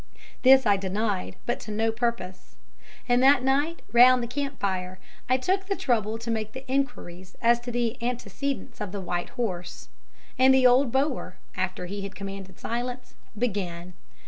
"This I denied, but to no purpose. And that night round the camp fire I took the trouble to make enquiries as to the antecedents of the white horse. And the old Boer, after he had commanded silence, began.